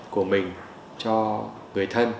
của mình cho người thân